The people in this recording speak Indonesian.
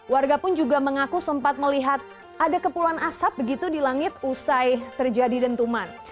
warga pun juga mengaku sempat melihat ada kepulan asap begitu di langit usai terjadi dentuman